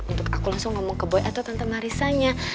untuk aku langsung ngomong ke boy atau tentang marissanya